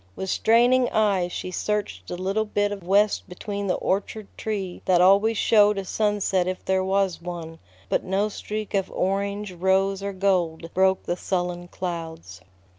With straining eyes she searched the little bit of west between the orchard tree that always showed a sunset if there was one; but no streak of orange, rose, or gold broke the sullen clouds.